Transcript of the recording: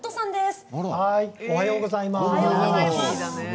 おはようございます。